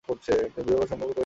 বীবর, সম্ভবত কোনো ইঁদুরের।